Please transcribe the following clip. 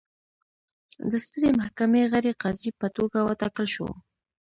د سترې محکمې غړي قاضي په توګه وټاکل شو.